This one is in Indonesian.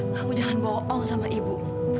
aku jangan bohong sama ibu